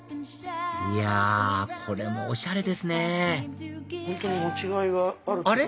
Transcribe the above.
いやこれもおしゃれですねあれ？